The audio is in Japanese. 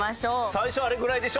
最初あれぐらいでしょ？